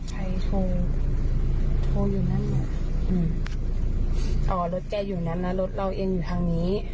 ใครโทรโทรอยู่นั่นเหรออืมอ๋อรถแก่อยู่นั้นแล้วรถเราเองอยู่ทางนี้